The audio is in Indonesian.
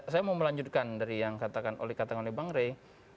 saya mau melanjutkan dari yang katakan oleh bang rey